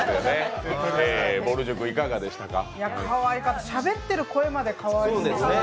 かわいかった、しゃべってる声までかわいい。